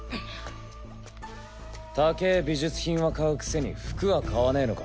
たけぇ美術品は買うくせに服は買わねえのか？